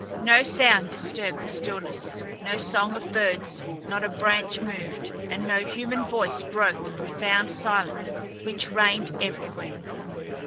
No sound disturbed the stillness, no song of birds, not a branch moved, and no human voice broke the profound silence which reigned everywhere.